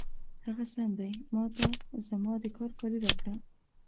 هغه سم دی، ما ته زما د کار کالي راکړه.